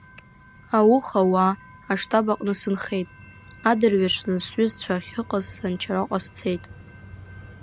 Ауха уа, аштаб аҟны сынхеит, адырҩаҽны сҩызцәа ахьыҟаз Санчараҟа сцеит.